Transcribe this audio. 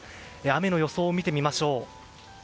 雨の予想を見てみましょう。